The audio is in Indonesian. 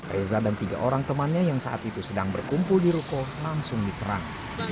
reza dan tiga orang temannya yang saat itu sedang berkumpul di ruko langsung diserang